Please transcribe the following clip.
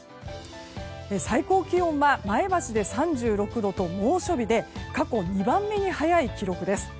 最高気温は前橋で３６度と猛暑日で過去２番目に早い記録です。